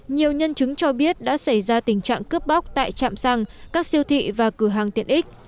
nhiều nhân chứng cho biết đã xảy ra tình trạng cướp bóc tại trạm xăng các siêu thị và cửa hàng tiện ích